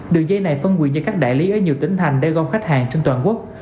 đường dây này phân quyền cho các đại lý ở nhiều tỉnh thành để gom khách hàng trên toàn quốc